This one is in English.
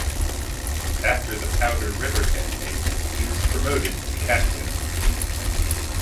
After the Powder River campaign he was promoted to captain.